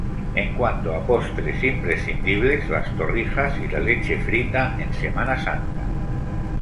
En cuanto a postres, imprescindibles las torrijas y la leche frita en Semana Santa.